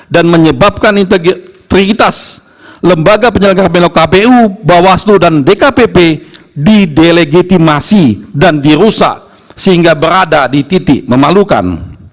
dan menyebabkan integritas lembaga penyelenggaran pemilu kpu bawaslu dan dkpp didelegitimasi dan dirusak sehingga berada di titik memalukan